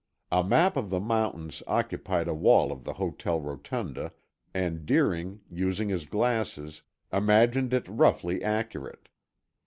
A map of the mountains occupied a wall of the hotel rotunda, and Deering, using his glasses, imagined it roughly accurate.